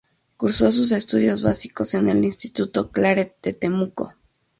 Cursó sus estudios básicos en el Instituto Claret de Temuco.